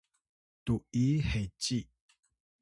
tu’iy heci